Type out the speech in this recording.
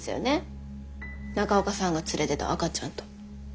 中岡さんが連れてた赤ちゃんと。